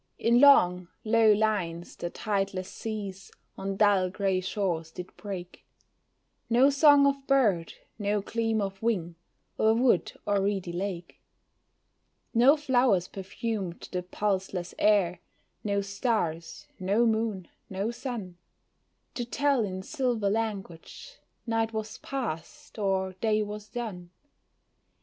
In long, low lines the tideless seas on dull gray shores did break, No song of bird, no gleam of wing, o'er wood or reedy lake No flowers perfumed the pulseless air, no stars, no moon, no sun To tell in silver language, night was past, or day was done.